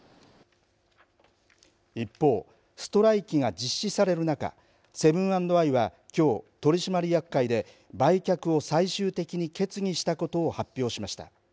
一方、ストライキが実施される中セブン＆アイは、きょう取締役会で売却を最終的に決議したことを発表しました。